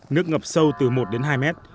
nước ngập sâu đến bốn mét